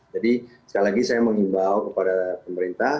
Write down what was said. jadi sekali lagi saya mengimbau kepada pemerintah